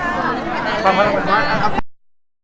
อ่ะโอเคนะน้ำโอเคน้ำโอเคน้ำ